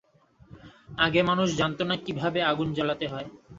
আগে মানুষ জানতো না কিভাবে আগুন জ্বালাতে হয়।